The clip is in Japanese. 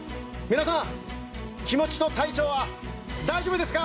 皆さん、気持ちと体調は大丈夫ですか？